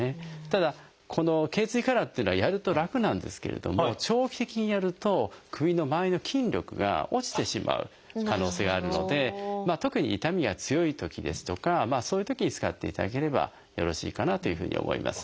ただこの頚椎カラーっていうのはやると楽なんですけれども長期的にやると首のまわりの筋力が落ちてしまう可能性があるので特に痛みが強いときですとかそういうときに使っていただければよろしいかなというふうに思います。